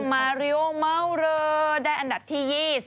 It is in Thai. มาริโอเมาเรอได้อันดับที่๒๐